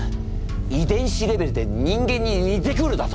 遺伝子レベルで人間ににてくるだと！？